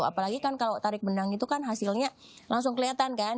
apalagi kan kalau tarik benang itu kan hasilnya langsung kelihatan kan